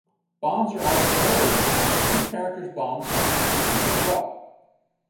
Bombs are also available, and each character's bombs function differently as well.